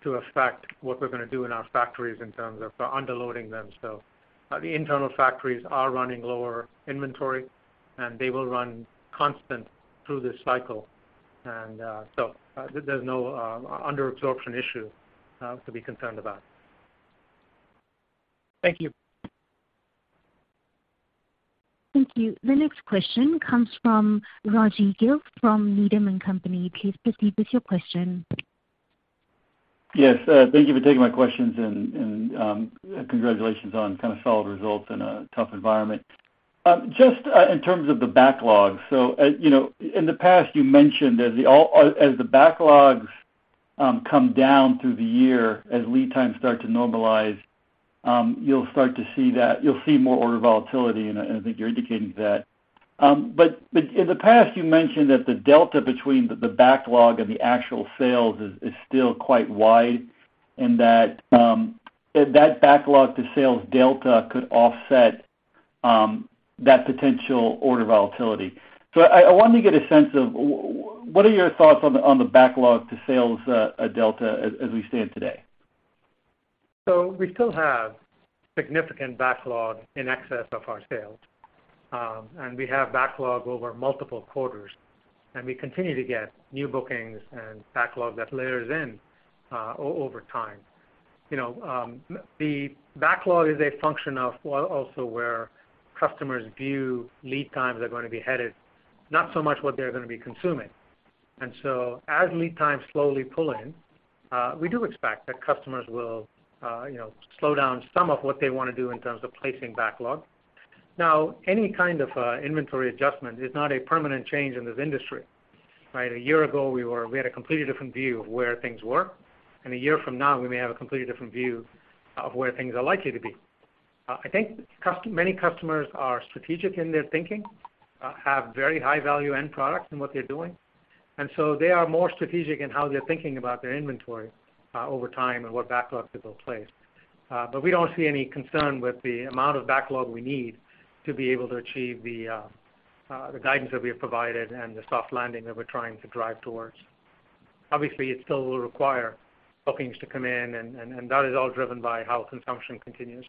to affect what we're going to do in our factories in terms of under loading them. The internal factories are running lower inventory, and they will run constant through this cycle. There's no under absorption issue to be concerned about. Thank you. Thank you. The next question comes from Rajvindra Gill from Needham and Company. Please proceed with your question. Yes. Thank you for taking my questions and congratulations on kind of solid results in a tough environment. Just in terms of the backlog. You know, in the past you mentioned as the backlogs come down through the year, as lead times start to normalize, you'll see more order volatility, and I think you're indicating that. But in the past you mentioned that the delta between the backlog and the actual sales is still quite wide and that backlog to sales delta could offset that potential order volatility. I wanted to get a sense of what are your thoughts on the backlog to sales delta as we stand today? We still have significant backlog in excess of our sales, and we have backlog over multiple quarters, and we continue to get new bookings and backlog that layers in over time. You know, the backlog is a function of also where customers view lead times are going to be headed, not so much what they're going to be consuming. As lead times slowly pull in, we do expect that customers will, you know, slow down some of what they want to do in terms of placing backlog. Now, any kind of inventory adjustment is not a permanent change in this industry, right? A year ago, we had a completely different view of where things were, and a year from now we may have a completely different view of where things are likely to be. I think many customers are strategic in their thinking, have very high value end products in what they're doing. They are more strategic in how they're thinking about their inventory over time and what backlogs they will place. We don't see any concern with the amount of backlog we need to be able to achieve the guidance that we have provided and the soft landing that we're trying to drive towards. Obviously, it still will require bookings to come in and that is all driven by how consumption continues.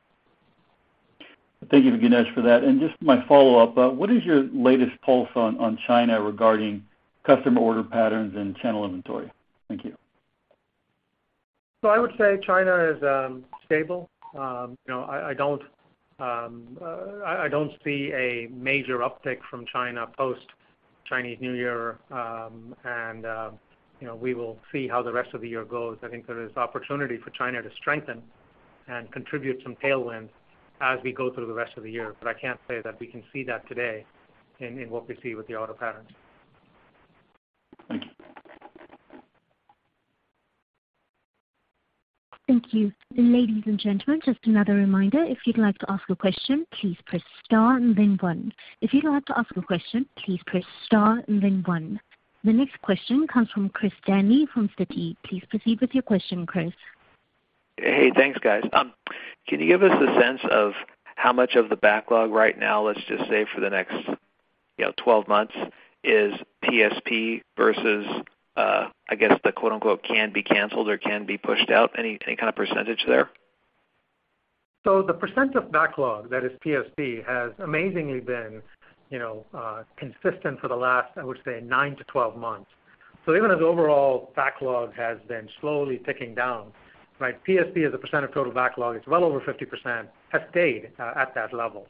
Thank you, Ganesh, for that. Just my follow-up, what is your latest pulse on China regarding customer order patterns and channel inventory? Thank you. I would say China is stable. You know, I don't see a major uptick from China post-Chinese New Year. You know, we will see how the rest of the year goes. I think there is opportunity for China to strengthen and contribute some tailwinds as we go through the rest of the year, but I can't say that we can see that today in what we see with the auto patterns. Thank you. Thank you. Ladies and gentlemen, just another reminder, if you'd like to ask a question, please press star and then one. If you'd like to ask a question, please press star and then one. The next question comes from Christopher Danely from Citi. Please proceed with your question, Chris. Hey, thanks guys. Can you give us a sense of how much of the backlog right now, let's just say for the next, you know, 12 months, is PSP versus, I guess the quote-unquote can be canceled or can be pushed out, any kind of percentage there? The percent of backlog that is PSP has amazingly been, you know, consistent for the last, I would say, 9 to 12 months. Even as overall backlog has been slowly ticking down, right, PSP as a percent of total backlog, it's well over 50%, has stayed at that level.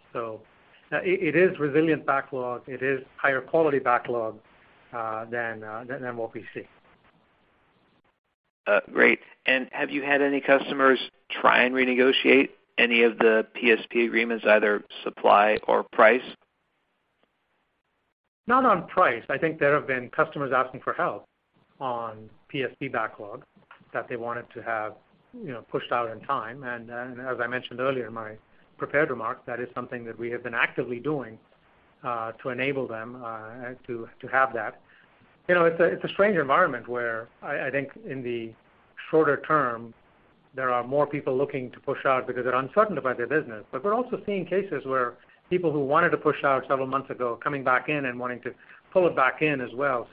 It is resilient backlog. It is higher quality backlog than what we see. Great. Have you had any customers try and renegotiate any of the PSP agreements, either supply or price? Not on price. I think there have been customers asking for help on PSP backlog that they wanted to have, you know, pushed out in time. As I mentioned earlier in my prepared remarks, that is something that we have been actively doing to enable them to have that. You know, it's a, it's a strange environment where I think in the shorter term, there are more people looking to push out because they're uncertain about their business. We're also seeing cases where people who wanted to push out several months ago are coming back in and wanting to pull it back in as well.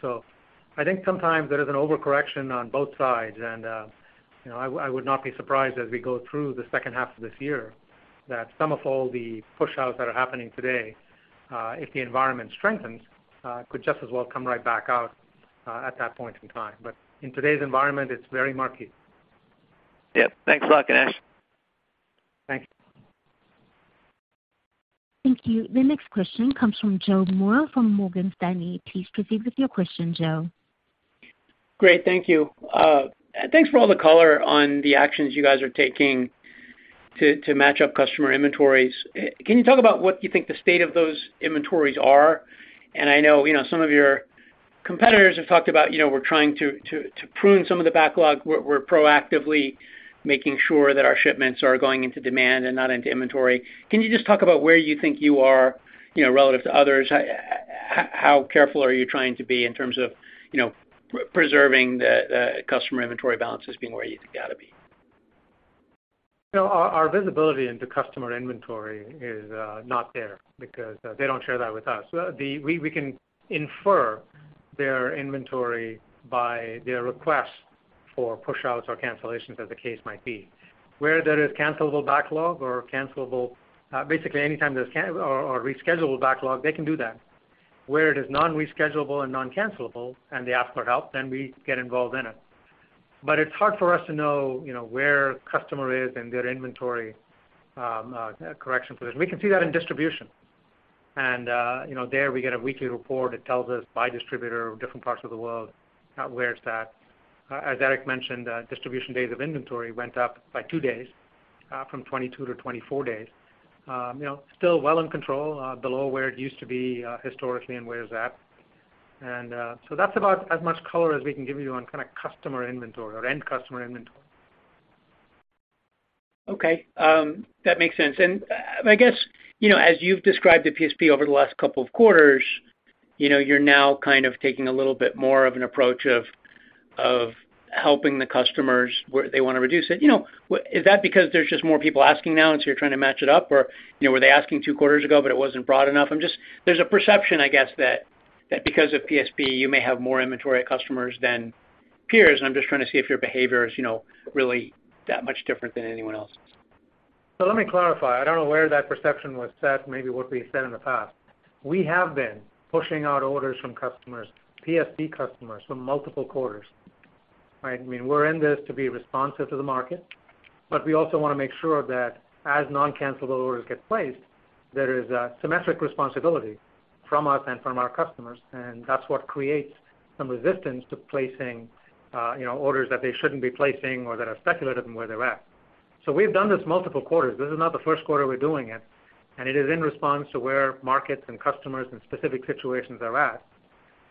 I think sometimes there is an overcorrection on both sides. You know, I would not be surprised as we go through the second half of this year that some of all the pushouts that are happening today, if the environment strengthens, could just as well come right back out, at that point in time. In today's environment, it's very murky. Yep. Thanks a lot, Ganesh. Thanks. Thank you. The next question comes from Joseph Moore from Morgan Stanley. Please proceed with your question, Joe. Great. Thank you. Thanks for all the color on the actions you guys are taking to match up customer inventories. Can you talk about what you think the state of those inventories are? I know, you know, some of your competitors have talked about, you know, we're trying to prune some of the backlog. We're proactively making sure that our shipments are going into demand and not into inventory. Can you just talk about where you think you are, you know, relative to others? How careful are you trying to be in terms of, you know, preserving the customer inventory balances being where you think ought to be? Our visibility into customer inventory is not there because they don't share that with us. We can infer their inventory by their request for pushouts or cancellations as the case might be. Where there is cancelable backlog or cancelable, basically anytime there's or reschedulable backlog, they can do that. Where it is non-reschedulable and non-cancelable, and they ask for help, then we get involved in it. It's hard for us to know, you know, where customer is in their inventory correction position. We can see that in distribution. There we get a weekly report that tells us by distributor or different parts of the world, where it's at. As Eric mentioned, distribution days of inventory went up by two days from 22–24 days. You know, still well in control, below where it used to be, historically, and where it's at. That's about as much color as we can give you on kind of customer inventory or end customer inventory. Okay, that makes sense. I guess, you know, as you've described the PSP over the last couple of quarters, you know, you're now kind of taking a little bit more of an approach of helping the customers where they want to reduce it. You know, is that because there's just more people asking now, and so you're trying to match it up? Or, you know, were they asking two quarters ago, but it wasn't broad enough? I'm just, there's a perception, I guess, that because of PSP, you may have more inventory at customers than peers, and I'm just trying to see if your behavior is, you know, really that much different than anyone else's. Let me clarify. I don't know where that perception was set, maybe what we said in the past. We have been pushing out orders from customers, PSP customers, for multiple quarters, right? I mean, we're in this to be responsive to the market, but we also want to make sure that as non-cancelable orders get placed, there is a symmetric responsibility from us and from our customers, and that's what creates some resistance to placing, you know, orders that they shouldn't be placing or that are speculative in where they're at. We've done this multiple quarters. This is not the first quarter we're doing it, and it is in response to where markets and customers and specific situations are at.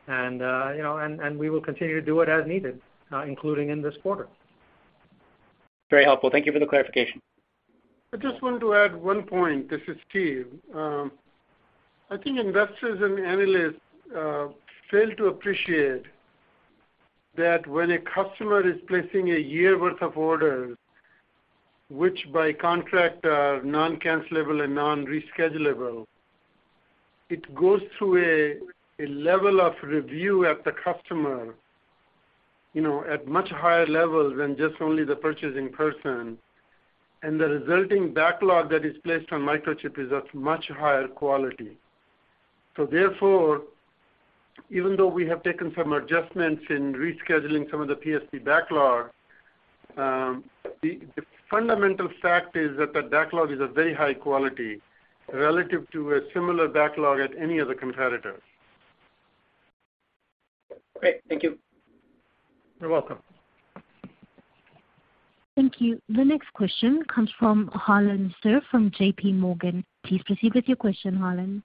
You know, and we will continue to do it as needed, including in this quarter. Very helpful. Thank you for the clarification. I just want to add one point. This is Steve. I think investors and analysts fail to appreciate that when a customer is placing a year worth of orders, which by contract are non-cancelable and non-reschedulable, it goes through a level of review at the customer, you know, at much higher levels than just only the purchasing person. The resulting backlog that is placed on Microchip is of much higher quality. Therefore, even though we have taken some adjustments in rescheduling some of the PSP backlog, the fundamental fact is that the backlog is of very high quality relative to a similar backlog at any other competitor. Great. Thank you. You're welcome. Thank you. The next question comes from Harlan Sur from JPMorgan. Please proceed with your question, Harlan.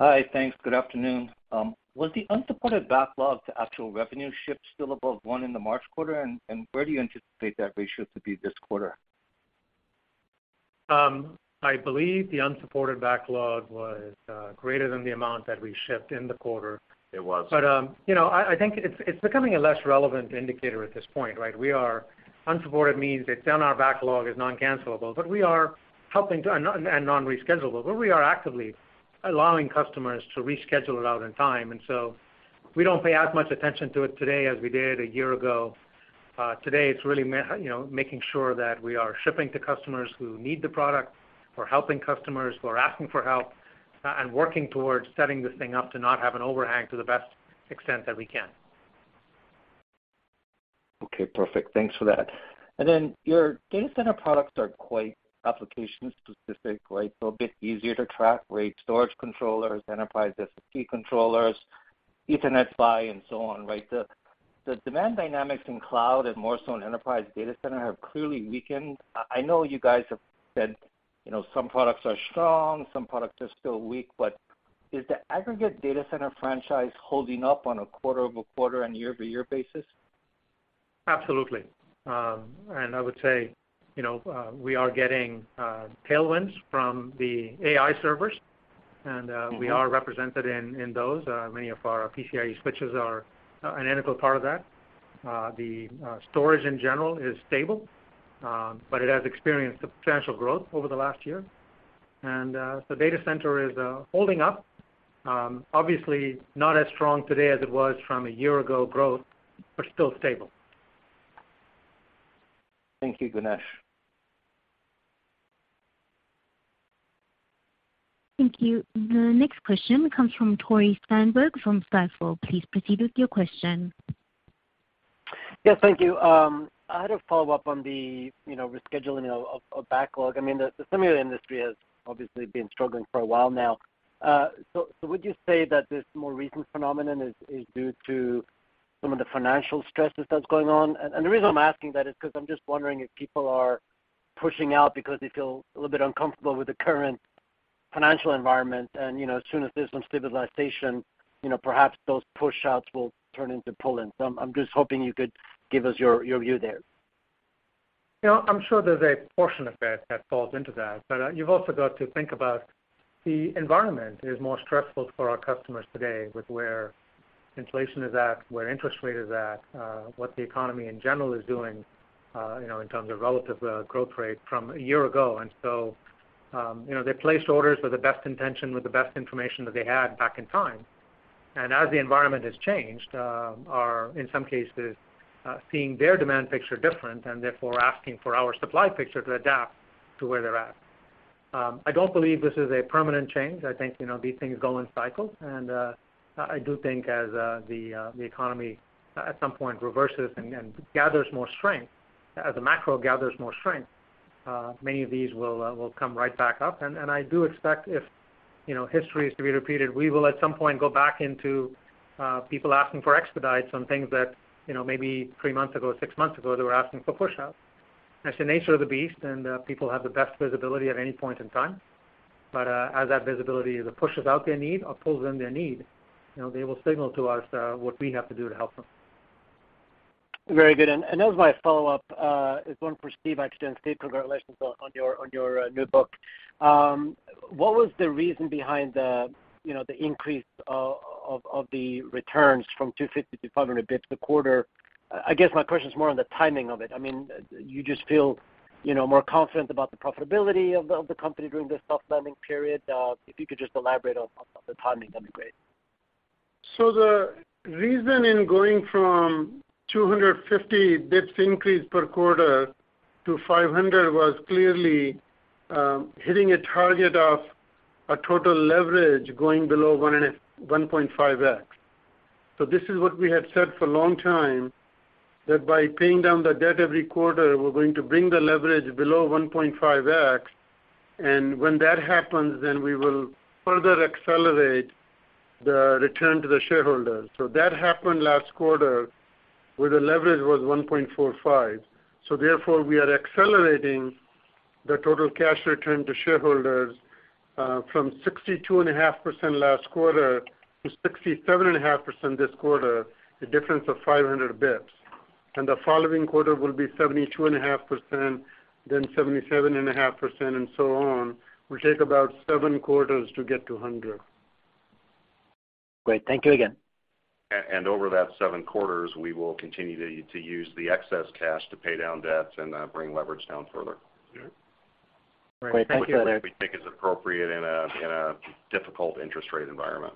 Hi. Thanks. Good afternoon. Was the unsupported backlog to actual revenue ships still above 1 in the March quarter? Where do you anticipate that ratio to be this quarter? I believe the unsupported backlog was greater than the amount that we shipped in the quarter. It was. You know, I think it's becoming a less relevant indicator at this point, right? Unsupported means that on our backlog is non-cancelable, non-reschedule, but we are actively allowing customers to reschedule it out in time. We don't pay as much attention to it today as we did a year ago. Today it's really, you know, making sure that we are shipping to customers who need the product. We're helping customers who are asking for help, and working towards setting this thing up to not have an overhang to the best extent that we can. Okay, perfect. Thanks for that. Your data center products are quite application-specific, right? A bit easier to track RAID storage controllers, enterprise SSD controllers, Ethernet PHY and so on, right? The demand dynamics in cloud and more so in enterprise data center have clearly weakened. I know you guys have said, you know, some products are strong, some products are still weak, is the aggregate data center franchise holding up on a quarter-over-quarter and year-over-year basis? Absolutely. I would say, you know, we are getting tailwinds from the AI servers. Mm-hmm... we are represented in those. Many of our PCIe switches are an integral part of that. The storage in general is stable, but it has experienced substantial growth over the last year. Data center is holding up, obviously not as strong today as it was from a year ago growth, but still stable. Thank you, Ganesh. Thank you. The next question comes from Tore Svanberg from Stifel. Please proceed with your question. Yes, thank you. I had a follow-up on the, you know, rescheduling of backlog. I mean, the semi industry has obviously been struggling for a while now. Would you say that this more recent phenomenon is due to some of the financial stresses that's going on? The reason I'm asking that is 'cause I'm just wondering if people are pushing out because they feel a little bit uncomfortable with the current financial environment and, you know, as soon as there's some stabilization, you know, perhaps those push outs will turn into pull-ins. I'm just hoping you could give us your view there. You know, I'm sure there's a portion of that that falls into that. You've also got to think about the environment is more stressful for our customers today with where inflation is at, where interest rate is at, what the economy in general is doing, you know, in terms of relative growth rate from a year ago. You know, they placed orders with the best intention, with the best information that they had back in time. As the environment has changed, are in some cases, seeing their demand picture different and therefore asking for our supply picture to adapt to where they're at. I don't believe this is a permanent change. I think, you know, these things go in cycles and I do think as the economy at some point reverses and gathers more strength, as the macro gathers more strength, many of these will come right back up. I do expect if, you know, history is to be repeated, we will at some point go back into people asking for expedites on things that, you know, maybe three months ago, six months ago, they were asking for push out. That's the nature of the beast, and people have the best visibility at any point in time. As that visibility either pushes out their need or pulls in their need, you know, they will signal to us what we have to do to help them. Very good. As my follow-up is one for Steve. Actually, Steve, congratulations on your new book. What was the reason behind the, you know, the increase of the returns from 250–500 basis points the quarter? I guess my question is more on the timing of it. I mean, you just feel, you know, more confident about the profitability of the company during this soft landing period. If you could just elaborate on the timing, that'd be great. The reason in going from 250 basis points increase per quarter to 500 was clearly hitting a target of a total leverage going below 1.5x. This is what we had said for a long time, that by paying down the debt every quarter, we're going to bring the leverage below 1.5x. When that happens, we will further accelerate the return to the shareholders. That happened last quarter, where the leverage was 1.45. Therefore, we are accelerating the total cash return to shareholders from 62.5% last quarter to 67.5% this quarter, a difference of 500 basis points. The following quarter will be 72.5%, then 77.5% and so on, will take about seven quarters to get to 100% then 77.5% and so on. It will take about seven quarters to get to 100%.. Great. Thank you again. Over that seven quarters, we will continue to use the excess cash to pay down debts and bring leverage down further. Yeah. Great. Thank you, Steve. Which we think is appropriate in a difficult interest rate environment.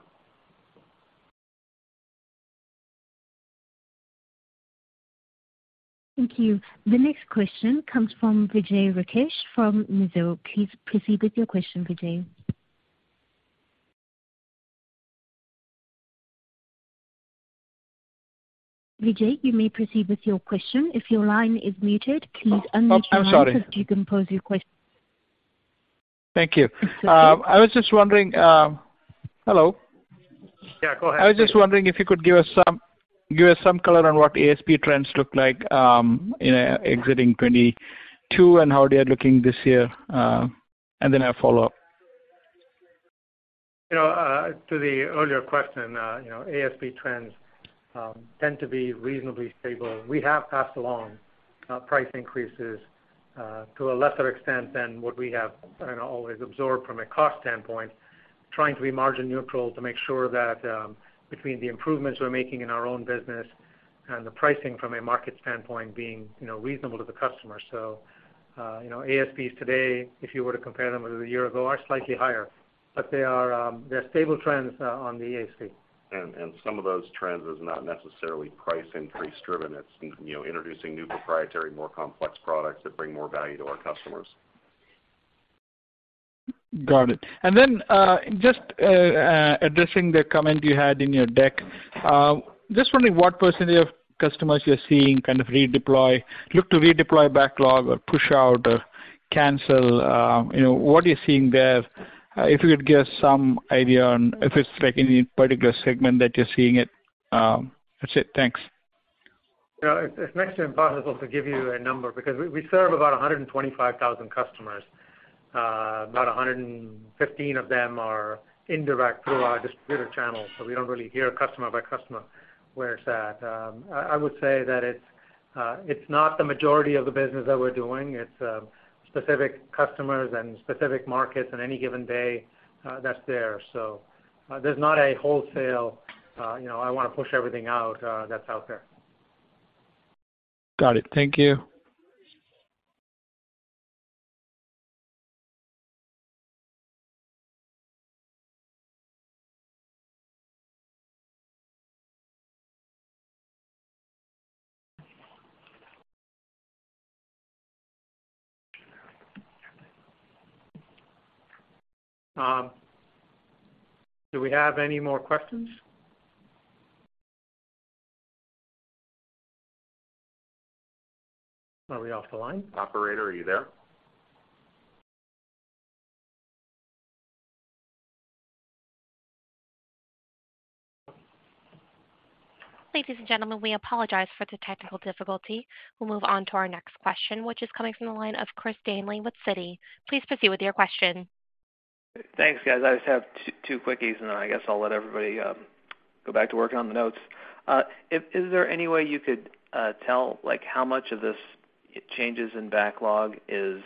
Thank you. The next question comes from Vijay Rakesh from Mizuho. Please proceed with your question, Vijay. Vijay, you may proceed with your question. If your line is muted, please unmute your line. Oh, I'm sorry.... so you can pose your que- Thank you. It's okay. I was just wondering. Hello. Yeah, go ahead, Vijay. I was just wondering if you could give us some color on what ASP trends look like exiting 2022 and how they are looking this year. Then I have a follow-up. You know, to the earlier question, you know, ASP trends tend to be reasonably stable. We have passed along price increases to a lesser extent than what we have and always absorbed from a cost standpoint, trying to be margin neutral to make sure that, between the improvements we're making in our own business and the pricing from a market standpoint being, you know, reasonable to the customer. You know, ASPs today, if you were to compare them with a year ago, are slightly higher, but they are, they're stable trends on the ASP. Some of those trends are not necessarily price-increase-driven.. It's, you know, introducing new proprietary, more complex products that bring more value to our customers. Got it. Then, just addressing the comment you had in your deck. Just wondering what percentage of customers you're seeing kind of redeploy, look to redeploy backlog or push out or cancel. You know, what are you seeing there? If you could give some idea on if it's like any particular segment that you're seeing it, that's it. Thanks. You know, it's actually impossible to give you a number because we serve about 125,000 customers. About 115, 000 of them are indirect through our distributor channels. We don't really hear customer by customer where it's at. I would say that it's not the majority of the business that we're doing. It's specific customers and specific markets in any given day that's there. There's not a wholesale, you know, I want to push everything out that's out there. Got it. Thank you. Do we have any more questions? Are we off the line? Operator, are you there? Ladies and gentlemen, we apologize for the technical difficulty. We'll move on to our next question, which is coming from the line of Chris Danely with Citi. Please proceed with your question. Thanks, guys. I just have two quickies, and then I guess I'll let everybody go back to working on the notes. Is there any way you could tell, like, how much of this changes in backlog is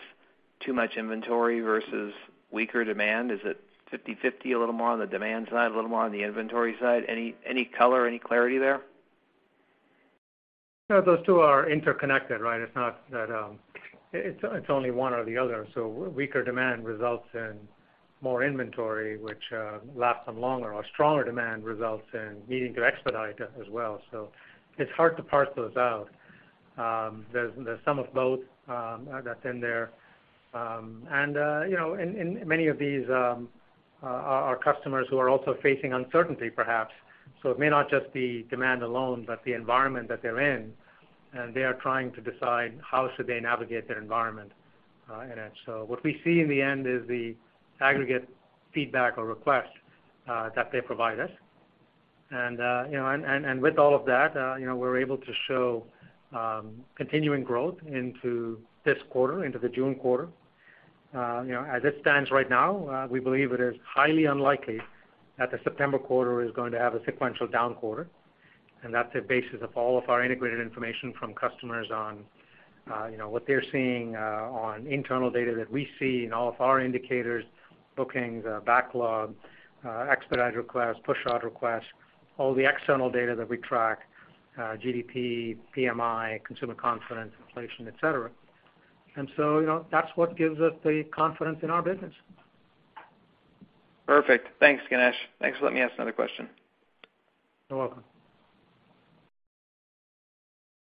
too much inventory versus weaker demand? Is it 50/50? A little more on the demand side, a little more on the inventory side? Any color, any clarity there? Those two are interconnected, right? It's not that, it's only one or the other. Weaker demand results in more inventory, which lasts them longer, or stronger demand results in needing to expedite as well. It's hard to parse those out. There's some of both that's in there. You know, and many of these are customers who are also facing uncertainty perhaps. It may not just be demand alone, but the environment that they're in, and they are trying to decide how should they navigate their environment in it. What we see in the end is the aggregate feedback or request that they provide us. You know, and with all of that, you know, we're able to show continuing growth into this quarter, into the June quarter. You know, as it stands right now, we believe it is highly unlikely that the September quarter is going to have a sequential down quarter. That's the basis of all of our integrated information from customers on, you know, what they're seeing, on internal data that we see in all of our indicators, bookings, backlog, expedite requests, push-out requests, all the external data that we track, GDP, PMI, consumer confidence, inflation, et cetera. You know, that's what gives us the confidence in our business. Perfect. Thanks, Ganesh. Thanks for letting me ask another question. You're welcome.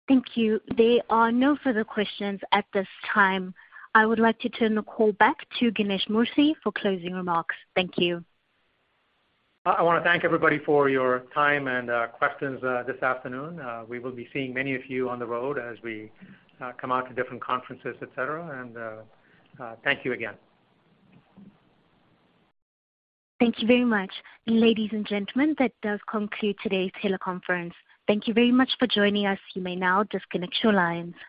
Thank you. There are no further questions at this time. I would like to turn the call back to Ganesh Moorthy for closing remarks. Thank you. I want to thank everybody for your time and questions this afternoon. We will be seeing many of you on the road as we come out to different conferences, et cetera. Thank you again. Thank you very much. Ladies and gentlemen, that does conclude today's teleconference. Thank you very much for joining us. You may now disconnect your lines.